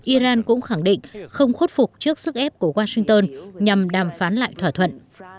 iran cũng khẳng định không khuất phục trước sức ép của washington nhằm đàm phán lại thỏa thuận